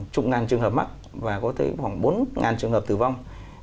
chủng ngàn trường hợp mắc và có tới khoảng bốn ngàn trường hợp tử vong